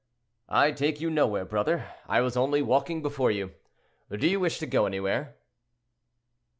"I take you nowhere, brother; I was only walking before you. Do you wish to go anywhere?"